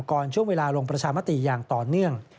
ช่วงเวลาลงประชามติอย่างต่อเนื่อง